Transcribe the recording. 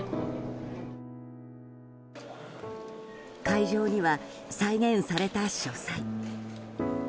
会場には、再現された書斎。